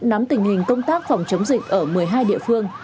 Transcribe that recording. nắm tình hình công tác phòng chống dịch ở một mươi hai địa phương